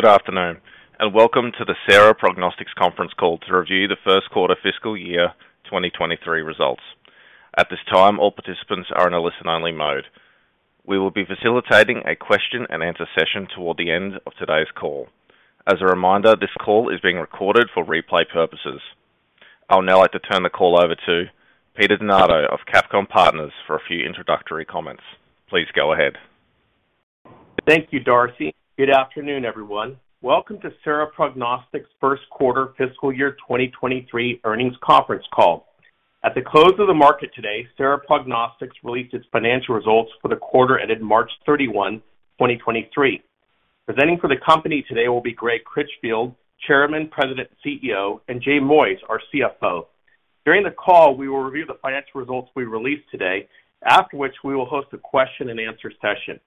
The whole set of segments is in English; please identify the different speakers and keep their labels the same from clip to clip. Speaker 1: Good afternoon, welcome to the Sera Prognostics conference call to review the first quarter fiscal year 2023 results. At this time, all participants are in a listen-only mode. We will be facilitating a question-and-answer session toward the end of today's call. As a reminder, this call is being recorded for replay purposes. I would now like to turn the call over to Peter DeNardo of CapComm Partners for a few introductory comments. Please go ahead.
Speaker 2: Thank you, Darcy. Good afternoon, everyone. Welcome to Sera Prognostics first quarter fiscal year 2023 earnings conference call. At the close of the market today, Sera Prognostics released its financial results for the quarter ended March 31, 2023. Presenting for the company today will be Greg Critchfield, Chairman, President, CEO, and Jay Moyes, our CFO. During the call, we will review the financial results we released today, after which we will host a question-and-answer session.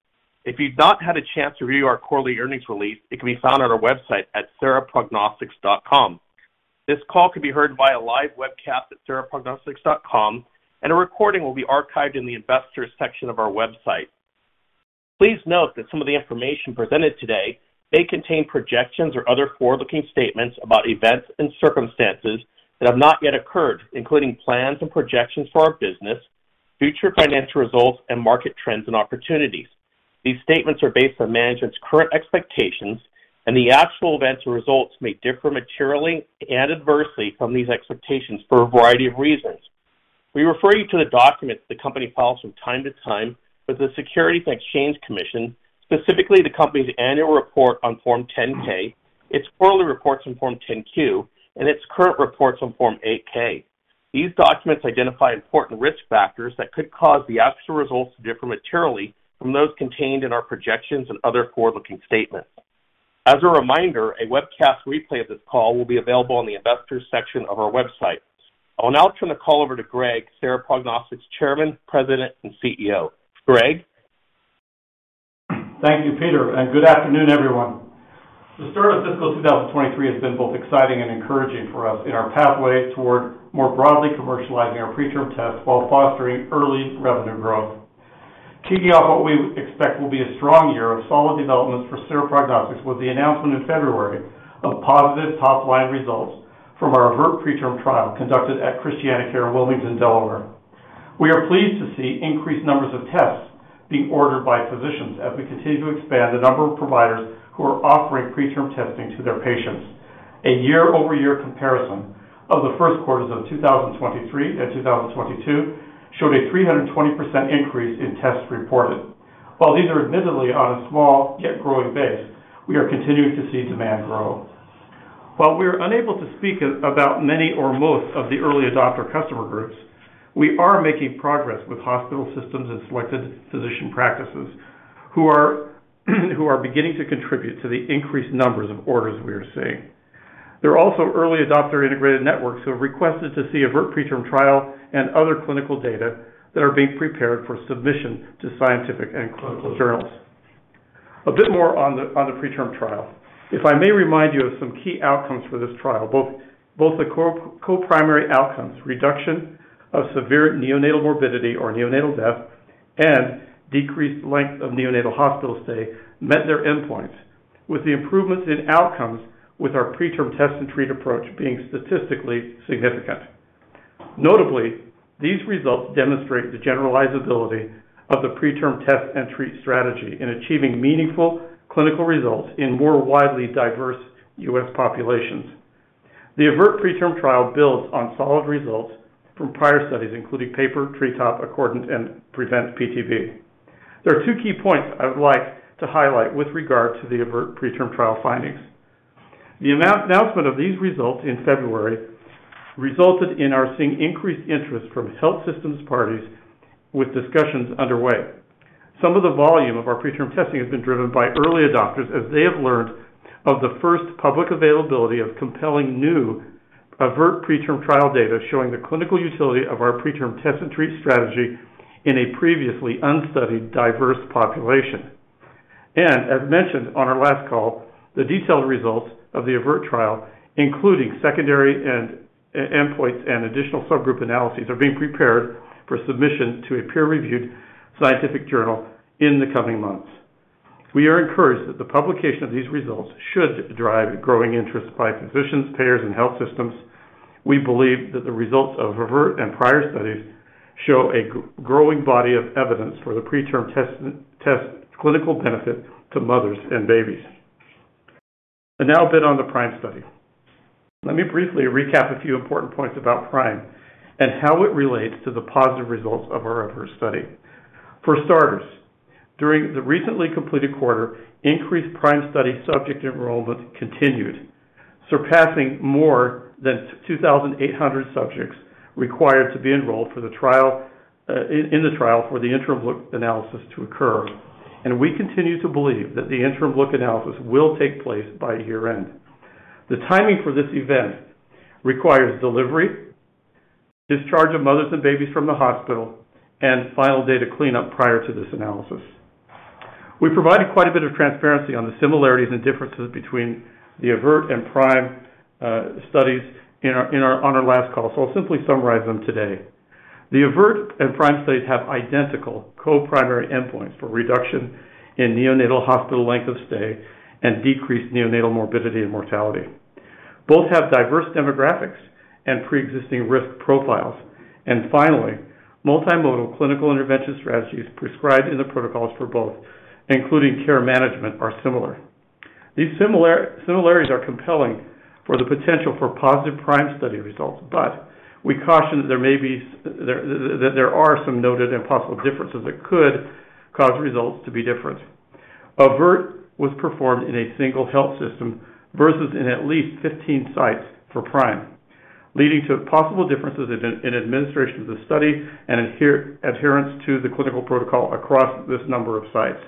Speaker 2: If you've not had a chance to review our quarterly earnings release, it can be found on our website at seraprognostics.com. This call can be heard via live webcast at seraprognostics.com, and a recording will be archived in the investors section of our website. Please note that some of the information presented today may contain projections or other forward-looking statements about events and circumstances that have not yet occurred, including plans and projections for our business, future financial results, and market trends and opportunities. These statements are based on management's current expectations, and the actual events or results may differ materially and adversely from these expectations for a variety of reasons. We refer you to the documents the company files from time to time with the Securities and Exchange Commission, specifically the company's annual report on Form 10-K, its quarterly reports on Form 10-Q, and its current reports on Form 8-K. These documents identify important risk factors that could cause the actual results to differ materially from those contained in our projections and other forward-looking statements. As a reminder, a webcast replay of this call will be available on the investors section of our website. I'll now turn the call over to Greg, Sera Prognostics Chairman, President, and CEO. Greg?
Speaker 3: Thank you, Peter. Good afternoon, everyone. The start of fiscal 2023 has been both exciting and encouraging for us in our pathway toward more broadly commercializing our preterm test while fostering early revenue growth. Kicking off what we expect will be a strong year of solid developments for Sera Prognostics with the announcement in February of positive top-line results from our AVERT PRETERM TRIAL conducted at ChristianaCare, Wilmington, Delaware. We are pleased to see increased numbers of tests being ordered by physicians as we continue to expand the number of providers who are offering preterm testing to their patients. A year-over-year comparison of the first quarters of 2023 and 2022 showed a 320% increase in tests reported. While these are admittedly on a small yet growing base, we are continuing to see demand grow. While we are unable to speak about many or most of the early adopter customer groups, we are making progress with hospital systems and selected physician practices who are beginning to contribute to the increased numbers of orders we are seeing. There are also early adopter integrated networks who have requested to see AVERT PRETERM TRIAL and other clinical data that are being prepared for submission to scientific and clinical journals. A bit more on the preterm trial. If I may remind you of some key outcomes for this trial, both co-primary outcomes, reduction of severe neonatal morbidity or neonatal death and decreased length of neonatal hospital stay met their endpoints, with the improvements in outcomes with our preterm test-and-treat approach being statistically significant. Notably, these results demonstrate the generalizability of the preterm test-and-treat strategy in achieving meaningful clinical results in more widely diverse U.S. populations. The AVERT PRETERM TRIAL builds on solid results from prior studies, including PAPR, TREETOP, ACCORDANT, and PREVENT-PTB. There are two key points I would like to highlight with regard to the AVERT PRETERM TRIAL findings. The announcement of these results in February resulted in our seeing increased interest from health systems parties with discussions underway. Some of the volume of our preterm testing has been driven by early adopters as they have learned of the first public availability of compelling new AVERT PRETERM TRIAL data showing the clinical utility of our preterm test-and-treat strategy in a previously unstudied, diverse population. As mentioned on our last call, the detailed results of the AVERT trial, including secondary and e-endpoints and additional subgroup analyses, are being prepared for submission to a peer-reviewed scientific journal in the coming months. We are encouraged that the publication of these results should drive growing interest by physicians, payers, and health systems. We believe that the results of AVERT and prior studies show a growing body of evidence for the preterm test clinical benefit to mothers and babies. Now a bit on the Prime study. Let me briefly recap a few important points about Prime and how it relates to the positive results of our AVERT study. For starters, during the recently completed quarter, increased Prime study subject enrollment continued, surpassing more than 2,800 subjects required to be enrolled for the trial in the trial for the interim look analysis to occur. We continue to believe that the interim look analysis will take place by year-end. The timing for this event requires delivery, discharge of mothers and babies from the hospital, and final data cleanup prior to this analysis. We provided quite a bit of transparency on the similarities and differences between the AVERT and Prime studies on our last call, I'll simply summarize them today. The AVERT and PRIME studies have identical co-primary endpoints for reduction in neonatal hospital length of stay and decreased neonatal morbidity and mortality. Both have diverse demographics and pre-existing risk profiles. Finally, multimodal clinical intervention strategies prescribed in the protocols for both, including care management, are similar. These similarities are compelling for the potential for positive PRIME study results, but we caution that there are some noted and possible differences that could cause results to be different. AVERT was performed in a single health system versus in at least 15 sites for PRIME, leading to possible differences in administration of the study and adherence to the clinical protocol across this number of sites.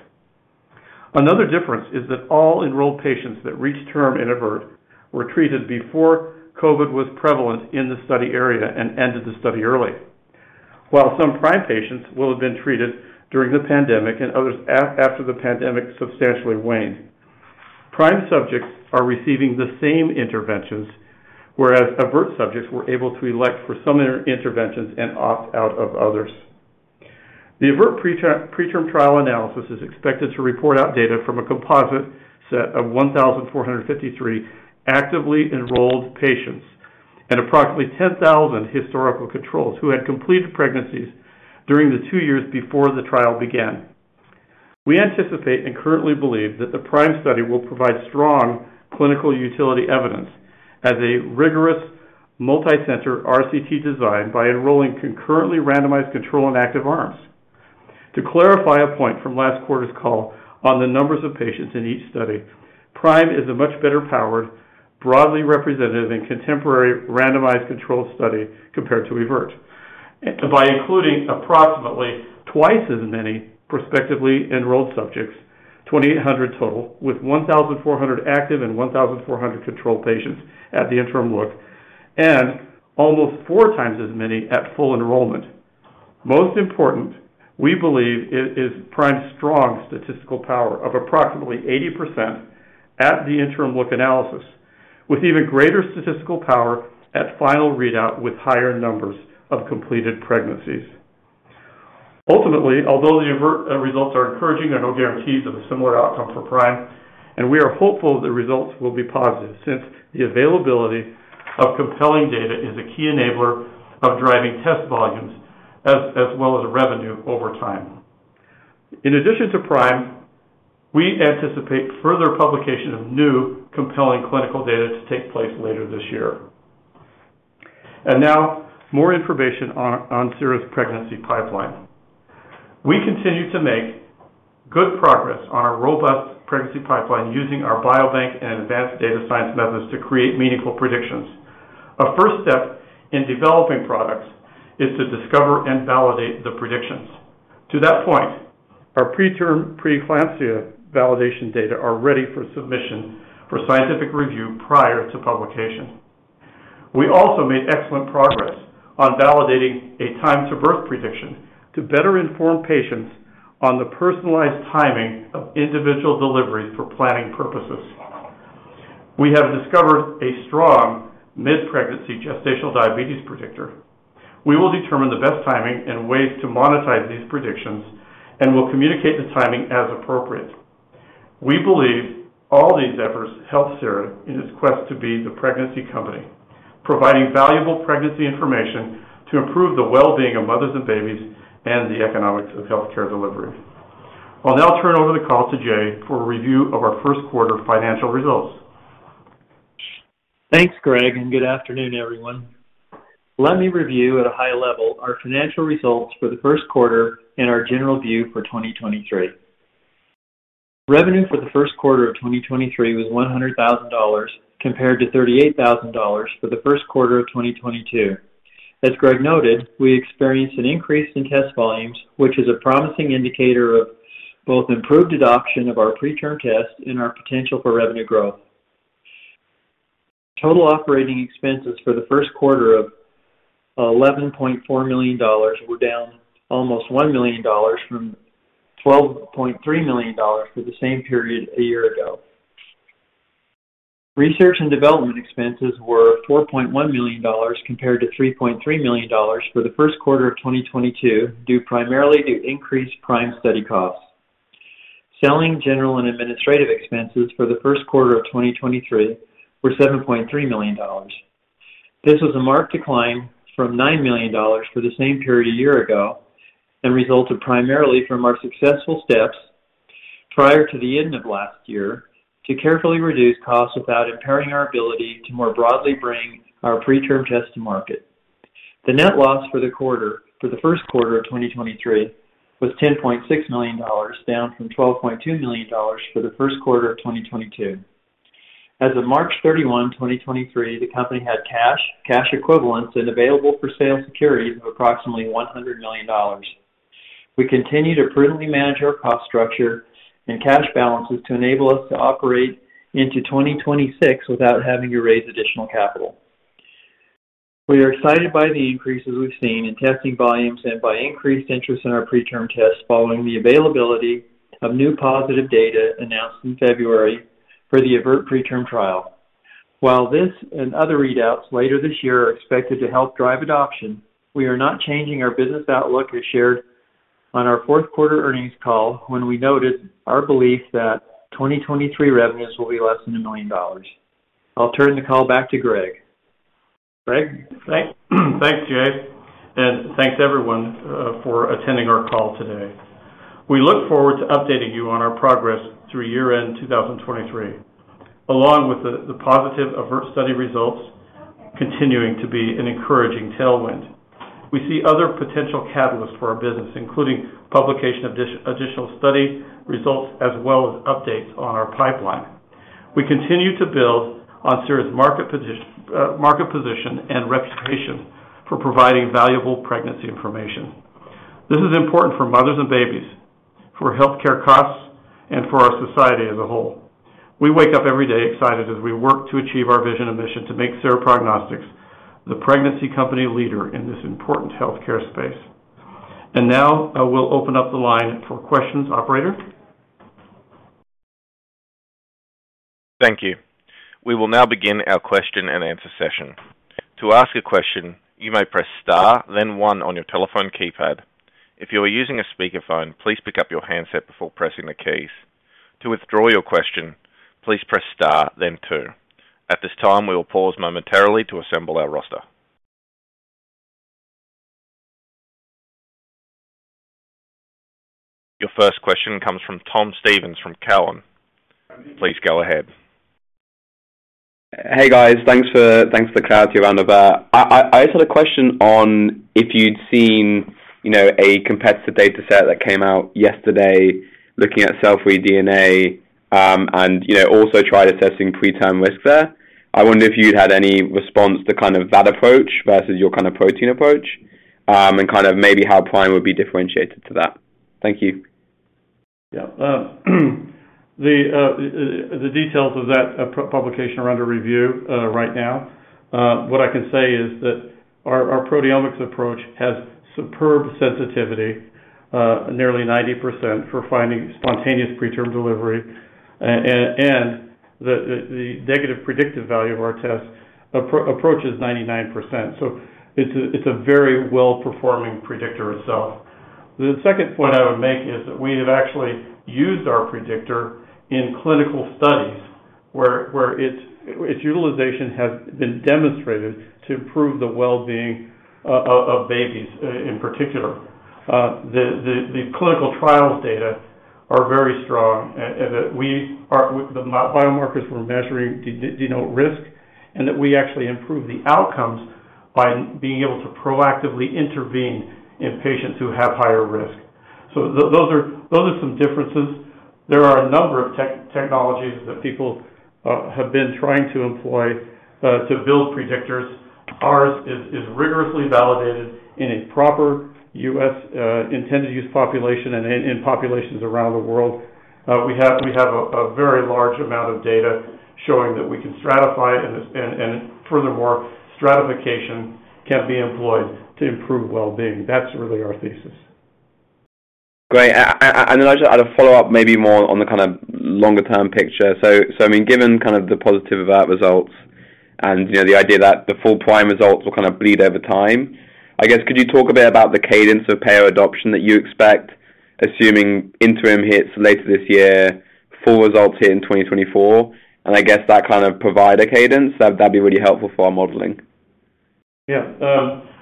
Speaker 3: Another difference is that all enrolled patients that reached term in AVERT were treated before COVID was prevalent in the study area and ended the study early, while some PRIME patients will have been treated during the pandemic and others after the pandemic substantially waned. PRIME subjects are receiving the same interventions, whereas AVERT subjects were able to elect for some interventions and opt out of others. The AVERT preterm trial analysis is expected to report out data from a composite set of 1,453 actively enrolled patients and approximately 10,000 historical controls who had completed pregnancies during the two years before the trial began. We anticipate and currently believe that the PRIME study will provide strong clinical utility evidence as a rigorous multi-center RCT design by enrolling concurrently randomized control and active arms. To clarify a point from last quarter's call on the numbers of patients in each study, PRIME is a much better powered, broadly representative and contemporary randomized controlled study compared to AVERT. By including approximately twice as many prospectively enrolled subjects, 2,800 total with 1,400 active and 1,400 control patients at the interim look, and almost four times as many at full enrollment. Most important, we believe is PRIME's strong statistical power of approximately 80% at the interim look analysis, with even greater statistical power at final readout with higher numbers of completed pregnancies. Ultimately, although the AVERT results are encouraging, there are no guarantees of a similar outcome for PRIME, and we are hopeful the results will be positive, since the availability of compelling data is a key enabler of driving test volumes as well as revenue over time. In addition to PRIME, we anticipate further publication of new compelling clinical data to take place later this year. Now more information on Sera's pregnancy pipeline. We continue to make good progress on our robust pregnancy pipeline using our biobank and advanced data science methods to create meaningful predictions. Our first step in developing products is to discover and validate the predictions. To that point, our preterm preeclampsia validation data are ready for submission for scientific review prior to publication. We also made excellent progress on validating a time-to-birth prediction to better inform patients on the personalized timing of individual deliveries for planning purposes. We have discovered a strong mid-pregnancy gestational diabetes predictor. We will determine the best timing and ways to monetize these predictions and will communicate the timing as appropriate. We believe all these efforts help Sera in its quest to be the pregnancy company, providing valuable pregnancy information to improve the well-being of mothers and babies and the economics of healthcare delivery. I'll now turn over the call to Jay for a review of our first quarter financial results.
Speaker 4: Thanks, Greg. Good afternoon, everyone. Let me review at a high level our financial results for the first quarter and our general view for 2023. Revenue for the first quarter of 2023 was $100,000 compared to $38,000 for the first quarter of 2022. As Greg noted, we experienced an increase in test volumes, which is a promising indicator of both improved adoption of our preterm test and our potential for revenue growth. Total operating expenses for the first quarter of $11.4 million were down almost $1 million from $12.3 million for the same period a year ago. Research and development expenses were $4.1 million compared to $3.3 million for the first quarter of 2022, due primarily to increased PRIME study costs. Selling general and administrative expenses for the first quarter of 2023 were $7.3 million. This was a marked decline from $9 million for the same period a year ago and resulted primarily from our successful steps prior to the end of last year to carefully reduce costs without impairing our ability to more broadly bring our preterm test to market. The net loss for the quarter for the first quarter of 2023 was $10.6 million, down from $12.2 million for the first quarter of 2022. As of March 31, 2023, the company had cash equivalents and available for sale securities of approximately $100 million. We continue to prudently manage our cost structure and cash balances to enable us to operate into 2026 without having to raise additional capital. We are excited by the increases we've seen in testing volumes and by increased interest in our preterm tests following the availability of new positive data announced in February for the AVERT PRETERM TRIAL. While this and other readouts later this year are expected to help drive adoption, we are not changing our business outlook as shared on our fourth quarter earnings call when we noted our belief that 2023 revenues will be less than $1 million. I'll turn the call back to Greg. Greg?
Speaker 3: Thanks. Thanks, Jay. Thanks everyone for attending our call today. We look forward to updating you on our progress through year-end 2023, along with the positive AVERT study results continuing to be an encouraging tailwind. We see other potential catalysts for our business, including publication of additional study results as well as updates on our pipeline. We continue to build on Sera's market position and reputation for providing valuable pregnancy information. This is important for mothers and babies, for healthcare costs, and for our society as a whole. We wake up every day excited as we work to achieve our vision and mission to make Sera Prognostics the pregnancy company leader in this important healthcare space. Now, I will open up the line for questions. Operator?
Speaker 1: Thank you. We will now begin our question and answer session. To ask a question, you may press Star, then one on your telephone keypad. If you are using a speakerphone, please pick up your handset before pressing the keys. To withdraw your question, please press Star, then two. At this time, we will pause momentarily to assemble our roster. Your first question comes from Tom Stevens from Cowen. Please go ahead.
Speaker 5: Hey, guys. Thanks for the clarity around AVERT. I just had a question on if you'd seen, you know, a competitive data set that came out yesterday looking at cell-free DNA, and, you know, also tried assessing preterm risk there. I wonder if you'd had any response to kind of that approach versus your kind of protein approach, and kind of maybe how PRIME would be differentiated to that. Thank you.
Speaker 3: Yeah. The details of that publication are under review right now. What I can say is that our proteomics approach has superb sensitivity, nearly 90% for finding spontaneous preterm delivery. The negative predictive value of our test approaches 99%. It's a very well-performing predictor itself. The second point I would make is that we have actually used our predictor in clinical studies where its utilization has been demonstrated to improve the well-being of babies in particular. The clinical trials data are very strong and that the biomarkers we're measuring denote risk, and that we actually improve the outcomes by being able to proactively intervene in patients who have higher risk. Those are some differences. There are a number of technologies that people have been trying to employ to build predictors. Ours is rigorously validated in a proper US intended use population and in populations around the world. We have a very large amount of data showing that we can stratify and furthermore, stratification can be employed to improve well-being. That's really our thesis.
Speaker 5: Great. Then I just had a follow-up maybe more on the kinda longer term picture. I mean, given kind of the positive AVERT results and, you know, the idea that the full PRIME results will kind of bleed over time, I guess, could you talk a bit about the cadence of payer adoption that you expect, assuming interim hits later this year, full results hit in 2024, and I guess that kind of provider cadence? That'd be really helpful for our modeling.
Speaker 3: Yeah.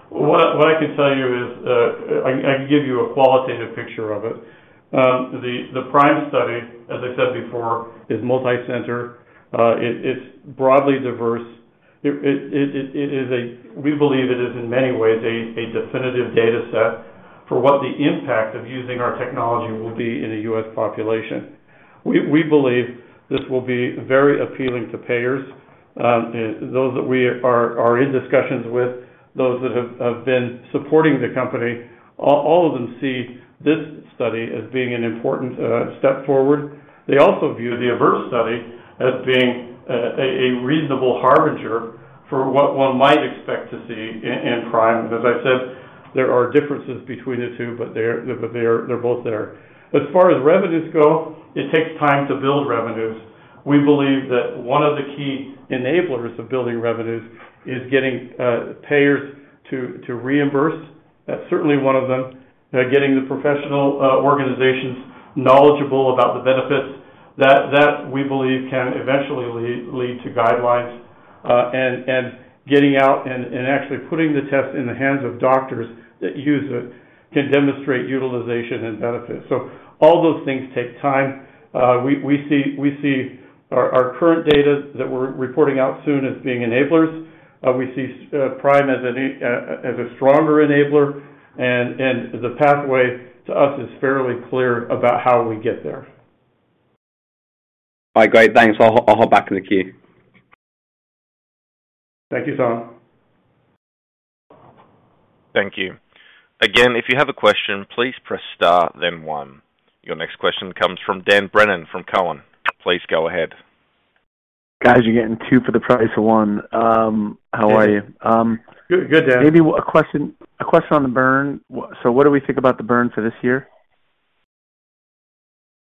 Speaker 3: What I can tell you is, I can give you a qualitative picture of it. The Prime study, as I said before, is multi-center. It's broadly diverse. We believe it is in many ways a definitive data set for what the impact of using our technology will be in the U.S. population. We believe this will be very appealing to payers, those that we are in discussions with, those that have been supporting the company. All of them see this study as being an important step forward. They also view the AVERT study as being a reasonable harbinger for what one might expect to see in Prime. As I said, there are differences between the two, but they're both there. As far as revenues go, it takes time to build revenues. We believe that one of the key enablers of building revenues is getting payers to reimburse. That's certainly one of them. Getting the professional organizations knowledgeable about the benefits, that we believe can eventually lead to guidelines. Getting out and actually putting the test in the hands of doctors that use it can demonstrate utilization and benefit. All those things take time. We see our current data that we're reporting out soon as being enablers. We see Prime as a stronger enabler, and the pathway to us is fairly clear about how we get there.
Speaker 5: All right, great. Thanks. I'll hop back in the queue.
Speaker 3: Thank you, Tom.
Speaker 1: Thank you. Again, if you have a question, please press star, then one. Your next question comes from Dan Brennan from Cowen. Please go ahead.
Speaker 6: Guys, you're getting two for the price of one. How are you?
Speaker 3: Good. Good, Dan.
Speaker 6: Maybe a question, a question on the burn. What do we think about the burn for this year?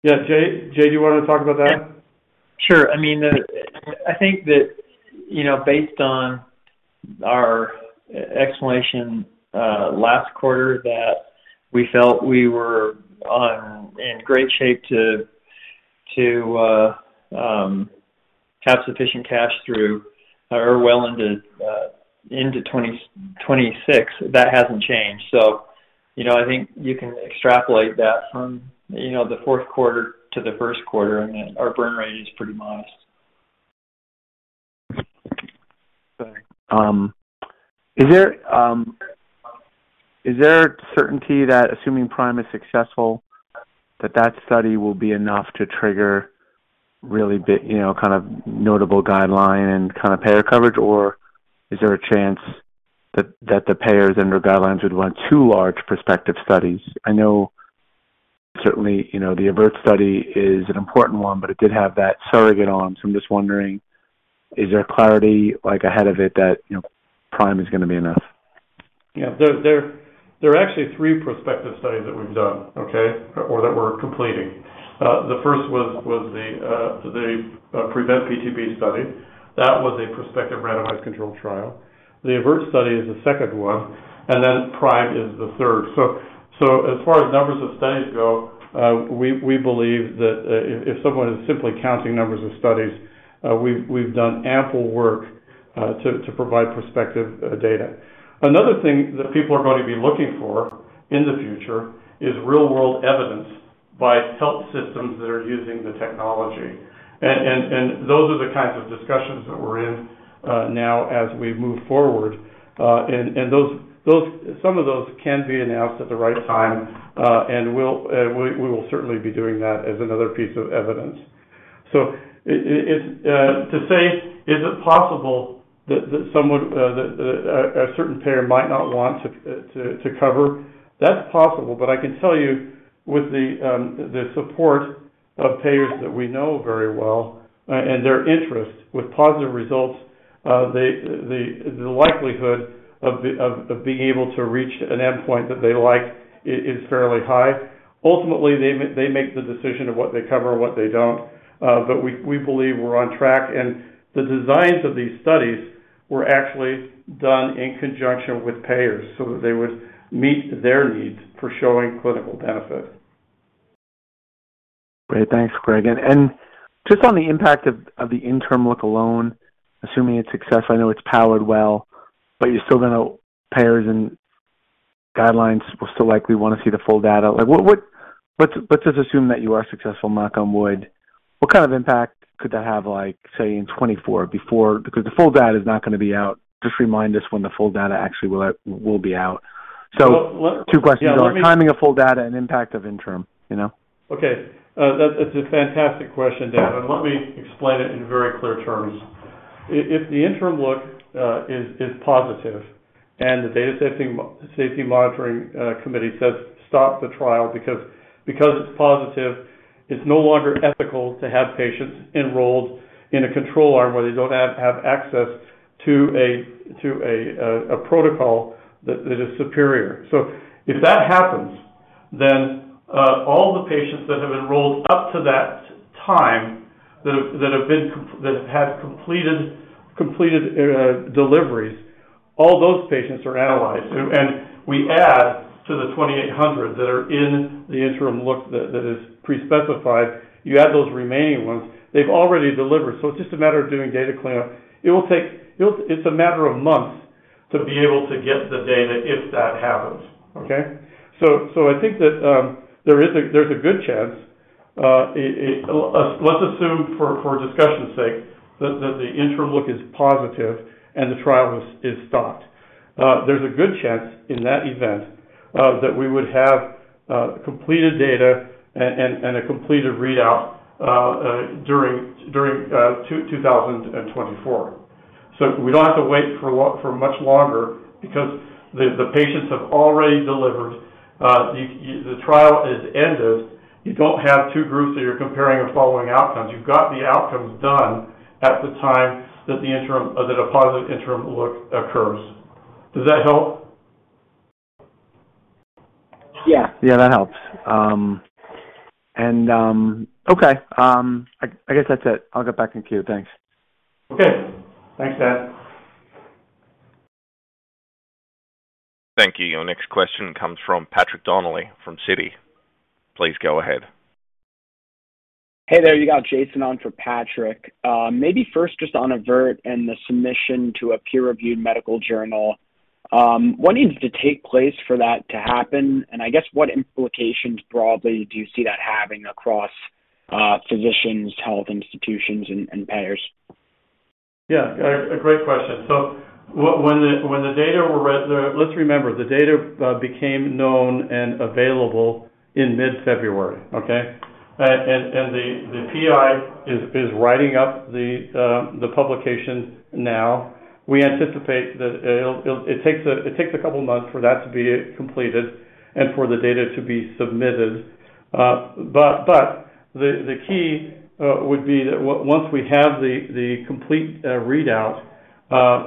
Speaker 4: Yeah. Jay, do you want to talk about that?
Speaker 3: Sure. I mean, I think that, you know, based on our explanation last quarter that we felt we were in great shape to have sufficient cash through or well into 26. That hasn't changed. You know, I think you can extrapolate that from, you know, the fourth quarter to the first quarter. I mean, our burn rate is pretty modest.
Speaker 4: Okay. Is there certainty that assuming PRIME is successful, that study will be enough to trigger really big, you know, kind of notable guideline and kind of payer coverage? Is there a chance that the payers under guidelines would want two large prospective studies? I know certainly, you know, the AVERT study is an important one, but it did have that surrogate arm. I'm just wondering, is there clarity like ahead of it that, you know, PRIME is gonna be enough?
Speaker 3: Yeah. There are actually three prospective studies that we've done, okay? Or that we're completing. The first was the PREVENT-PTB study. That was a prospective randomized controlled trial. The AVERT study is the second one, and then PRIME is the third. As far as numbers of studies go, we believe that if someone is simply counting numbers of studies, we've done ample work to provide prospective data. Another thing that people are going to be looking for in the future is real-world evidence by health systems that are using the technology. Those are the kinds of discussions that we're in now as we move forward. Some of those can be announced at the right time. We'll, we will certainly be doing that as another piece of evidence. It's to say, is it possible that someone that a certain payer might not want to cover? That's possible, but I can tell you with the support of payers that we know very well, and their interest with positive results, the likelihood of being able to reach an endpoint that they like is fairly high. Ultimately, they make the decision of what they cover and what they don't. We believe we're on track. The designs of these studies were actually done in conjunction with payers so that they would meet their needs for showing clinical benefit.
Speaker 7: Great. Thanks, Greg. Just on the impact of the interim look alone, assuming it's successful, I know it's powered well, but you're still gonna payers and guidelines will still likely wanna see the full data. Like what, let's just assume that you are successful, knock on wood. What kind of impact could that have, like, say in 2024 before? Because the full data is not gonna be out. Just remind us when the full data actually will be out. Two questions.
Speaker 3: Yeah.
Speaker 7: Timing of full data and impact of interim, you know?
Speaker 3: Okay. That's a fantastic question, Dan, and let me explain it in very clear terms. If the interim look is positive and the data safety monitoring committee says, "Stop the trial because it's positive, it's no longer ethical to have patients enrolled in a control arm where they don't have access to a protocol that is superior." If that happens, all the patients that have enrolled up to that time that have completed deliveries, all those patients are analyzed. We add to the 2,800 that are in the interim look that is pre-specified. You add those remaining ones, they've already delivered, so it's just a matter of doing data cleanup. It will take... It's a matter of months to be able to get the data if that happens. Okay? I think that there's a good chance. Let's assume for discussion's sake that the interim look is positive and the trial is stopped. There's a good chance in that event that we would have completed data and a completed readout during 2024. We don't have to wait for much longer because the patients have already delivered. The trial is ended. You don't have two groups that you're comparing and following outcomes. You've got the outcomes done at the time that a positive interim look occurs. Does that help?
Speaker 7: Yeah. Yeah, that helps. Okay. I guess that's it. I'll get back in queue. Thanks.
Speaker 3: Okay. Thanks, Dan.
Speaker 1: Thank you. Your next question comes from Patrick Donnelly from Citi. Please go ahead.
Speaker 8: Hey there. You got Jason on for Patrick. Maybe first just on AVERT and the submission to a peer-reviewed medical journal. What needs to take place for that to happen? I guess what implications broadly do you see that having across physicians, health institutions and payers?
Speaker 3: Yeah, a great question. Let's remember, the data became known and available in mid-February, okay? The PI is writing up the publication now. We anticipate that it'll... It takes a couple of months for that to be completed and for the data to be submitted. But the key would be that once we have the complete readout.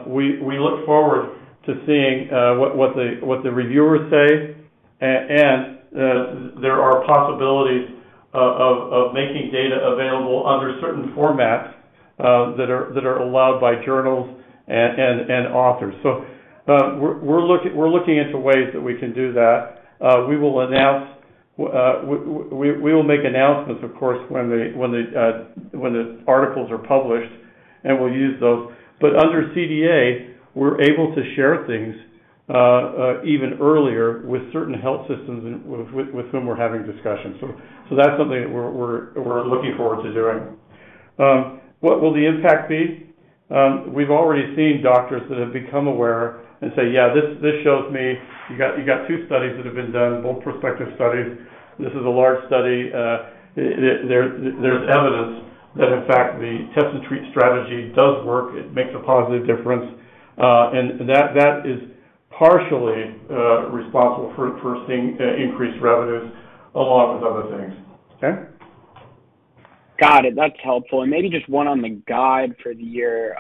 Speaker 3: We look forward to seeing what the reviewers say and there are possibilities of making data available under certain formats that are allowed by journals and authors. We're looking into ways that we can do that. We will announce, we will make announcements, of course, when the, when the, when the articles are published, and we'll use those. Under CDA, we're able to share things even earlier with certain health systems and with whom we're having discussions. That's something that we're looking forward to doing. What will the impact be? We've already seen doctors that have become aware and say, "Yeah, this shows me you got two studies that have been done, both prospective studies." This is a large study. There's evidence that, in fact, the test and treat strategy does work. It makes a positive difference. And that is partially responsible for seeing increased revenues along with other things. Okay?
Speaker 9: Got it. That's helpful. Maybe just one on the guide for the year,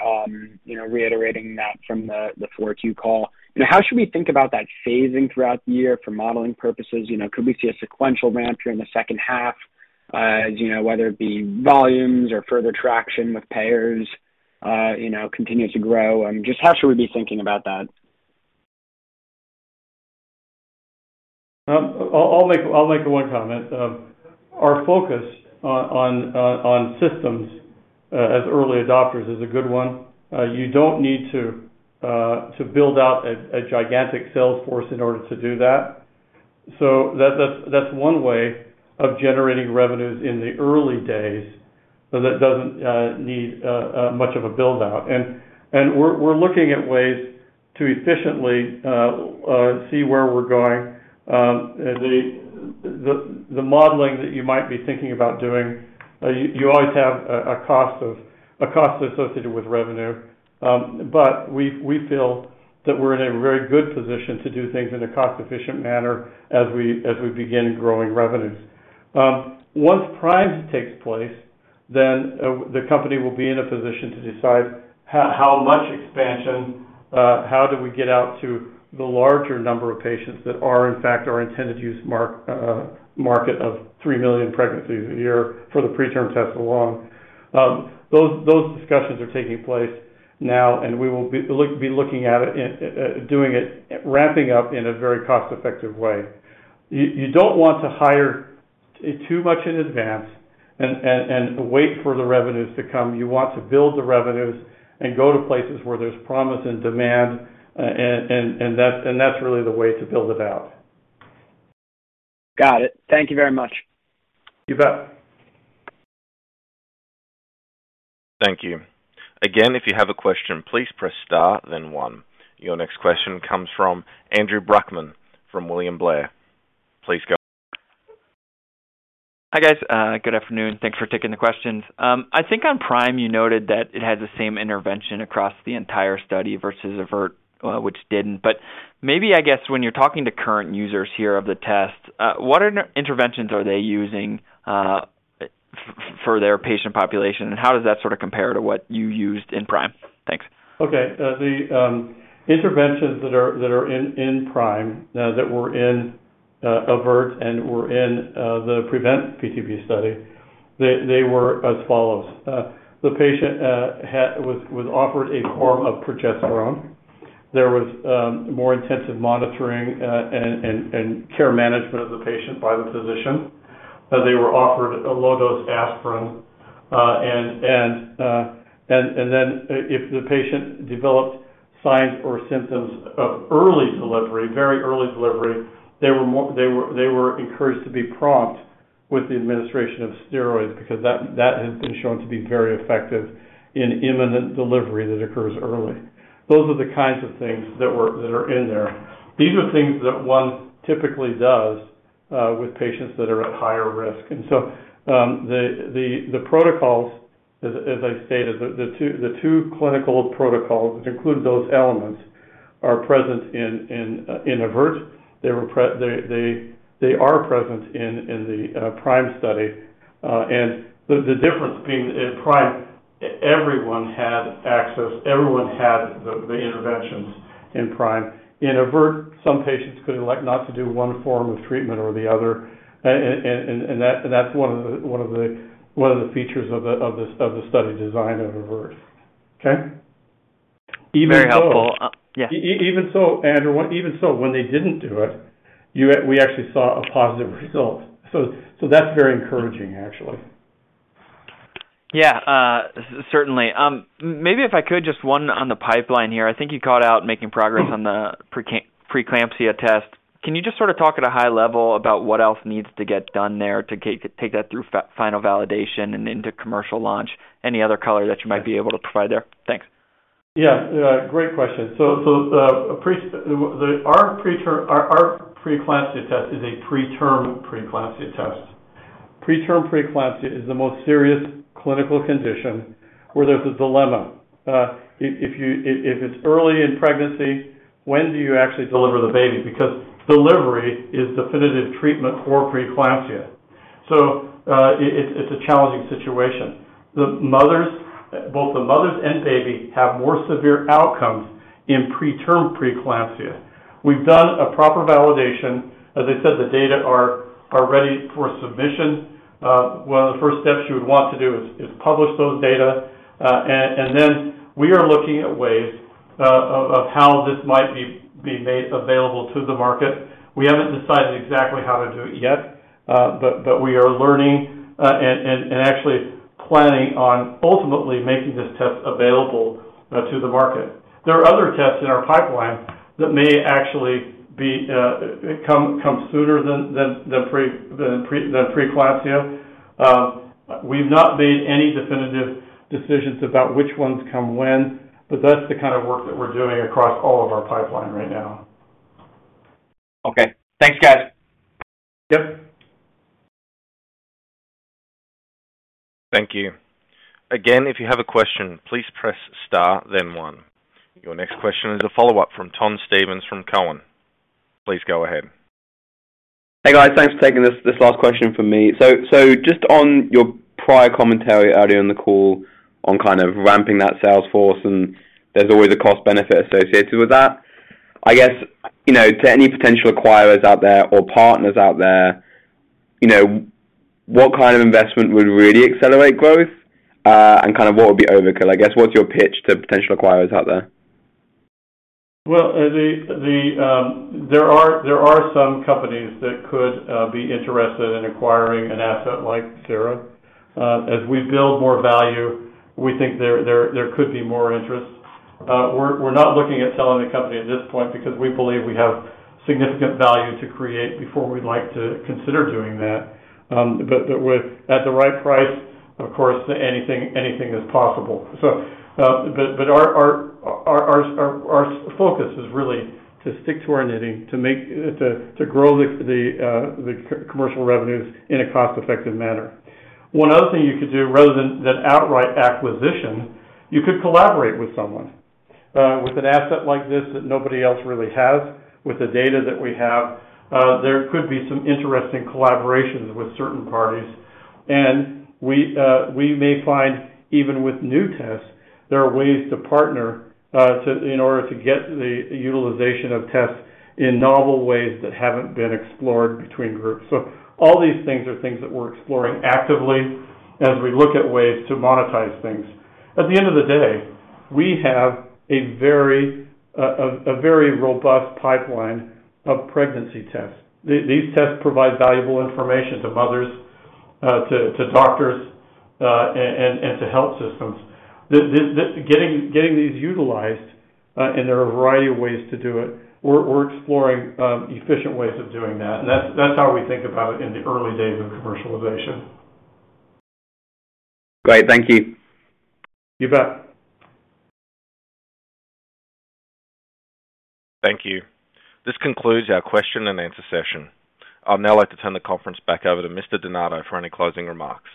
Speaker 9: you know, reiterating that from the 4Q call. You know, how should we think about that phasing throughout the year for modeling purposes? You know, could we see a sequential ramp during the second half, as, you know, whether it be volumes or further traction with payers, you know, continue to grow? Just how should we be thinking about that?
Speaker 3: I'll make one comment. Our focus on systems, as early adopters, is a good one. You don't need to build out a gigantic sales force in order to do that. That's one way of generating revenues in the early days so that doesn't need much of a build-out. We're looking at ways to efficiently see where we're going. The modeling that you might be thinking about doing, you always have a cost of... a cost associated with revenue. We feel that we're in a very good position to do things in a cost-efficient manner as we begin growing revenues. Once PRIME takes place, then, the company will be in a position to decide how much expansion, how do we get out to the larger number of patients that are, in fact, our intended use market of 3 million pregnancies a year for the preterm test alone. Those discussions are taking place now, and we will be looking at it and doing it, ramping up in a very cost-effective way. You don't want to hire too much in advance and wait for the revenues to come. You want to build the revenues and go to places where there's promise and demand, and that's really the way to build it out.
Speaker 8: Got it. Thank you very much.
Speaker 3: You bet.
Speaker 1: Thank you. If you have a question, please press star then one. Your next question comes from Andrew Brackmann from William Blair. Please go ahead.
Speaker 10: Hi, guys, good afternoon. Thanks for taking the questions. I think on PRIME, you noted that it has the same intervention across the entire study versus AVERT, which didn't. Maybe, I guess, when you're talking to current users here of the test, what interventions are they using for their patient population, and how does that sort of compare to what you used in PRIME? Thanks.
Speaker 3: Okay. The interventions that are in PRIME, that were in AVERT and were in the PREVENT-PTB study, they were as follows. The patient was offered a form of progesterone. There was more intensive monitoring, and care management of the patient by the physician. They were offered a low-dose aspirin. Then if the patient developed signs or symptoms of early delivery, very early delivery, they were encouraged to be prompt with the administration of steroids because that has been shown to be very effective in imminent delivery that occurs early. Those are the kinds of things that are in there. These are things that one typically does with patients that are at higher risk. The protocols, as I stated, the two clinical protocols, which include those elements, are present in AVERT. They are present in the PRIME study. The difference being in PRIME everyone had access, everyone had the interventions in PRIME. In AVERT, some patients could elect not to do one form of treatment or the other. That's one of the features of the study design of AVERT. Okay?
Speaker 10: Very helpful. Yeah.
Speaker 3: Even so, Andrew, even so, when they didn't do it, we actually saw a positive result. That's very encouraging, actually.
Speaker 10: Certainly. Maybe if I could, just one on the pipeline here. I think you called out making progress on the preeclampsia test. Can you just sort of talk at a high level about what else needs to get done there to take that through final validation and into commercial launch? Any other color that you might be able to provide there? Thanks.
Speaker 3: Yeah. Yeah, great question. Our preeclampsia test is a preterm preeclampsia test. Preterm preeclampsia is the most serious clinical condition where there's a dilemma. If it's early in pregnancy, when do you actually deliver the baby? Because delivery is definitive treatment for preeclampsia. It's a challenging situation. Both the mothers and baby have more severe outcomes in preterm preeclampsia. We've done a proper validation. As I said, the data are ready for submission. One of the first steps you would want to do is publish those data. We are looking at ways of how this might be made available to the market. We haven't decided exactly how to do it yet, but we are learning and actually planning on ultimately making this test available to the market. There are other tests in our pipeline that may actually be come sooner than preeclampsia. We've not made any definitive decisions about which ones come when, but that's the kind of work that we're doing across all of our pipeline right now.
Speaker 5: Okay. Thanks, guys.
Speaker 3: Yep.
Speaker 1: Thank you. Again, if you have a question, please press star then one. Your next question is a follow-up from Tom Stevens from Cowen. Please go ahead.
Speaker 5: Hey, guys. Thanks for taking this last question from me. Just on your prior commentary earlier in the call on kind of ramping that sales force, and there's always a cost benefit associated with that. I guess, you know, to any potential acquirers out there or partners out there, you know, what kind of investment would really accelerate growth, and kind of what would be overkill? I guess, what's your pitch to potential acquirers out there?
Speaker 3: Well, the... There are some companies that could be interested in acquiring an asset like Sera. As we build more value, we think there could be more interest. We're not looking at selling the company at this point because we believe we have significant value to create before we'd like to consider doing that. But at the right price, of course, anything is possible. But our focus is really to stick to our knitting, to make. To grow the commercial revenues in a cost-effective manner. One other thing you could do rather than outright acquisition, you could collaborate with someone. With an asset like this that nobody else really has, with the data that we have, there could be some interesting collaborations with certain parties. We may find even with new tests, there are ways to partner, in order to get the utilization of tests in novel ways that haven't been explored between groups. All these things are things that we're exploring actively as we look at ways to monetize things. At the end of the day, we have a very, a very robust pipeline of pregnancy tests. These tests provide valuable information to mothers, to doctors, and to health systems. Getting these utilized, and there are a variety of ways to do it, we're exploring, efficient ways of doing that. That's how we think about it in the early days of commercialization.
Speaker 5: Great. Thank you.
Speaker 3: You bet.
Speaker 1: Thank you. This concludes our question and answer session. I'll now like to turn the conference back over to Mr. DeNardo for any closing remarks.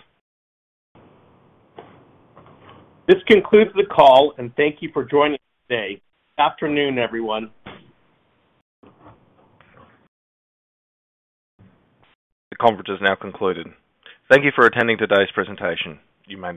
Speaker 2: This concludes the call, and thank you for joining us today. Afternoon, everyone.
Speaker 1: The conference has now concluded. Thank you for attending today's presentation. You may now disconnect.